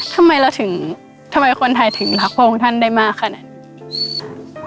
ทำไมเราถึงทำไมคนไทยถึงรักพระองค์ท่านได้มากขนาดนี้